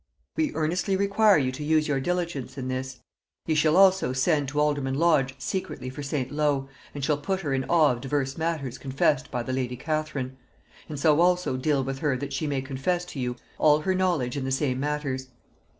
"We earnestly require you to use your diligence in this. Ye shall also send to alderman Lodge secretly for St. Low, and shall put her in awe of divers matters confessed by the lady Catherine; and so also deal with her that she may confess to you all her knowledge in the same matters.